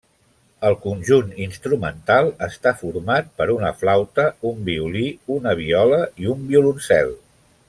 El conjunt instrumental està format per una flauta, un violí, una viola i un violoncel.